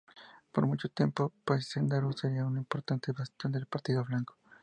Por mucho tiempo, Paysandú sería un importante bastión del partido blanco.